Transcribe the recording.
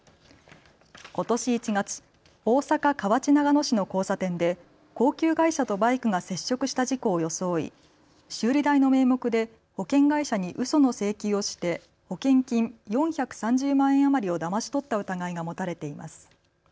ことし１月、大阪河内長野市の交差点で高級外車とバイクが接触した事故を装い、修理代の名目で保険会社にうその請求をして保険金４３０万円余りをだまし取った疑いが持たれています。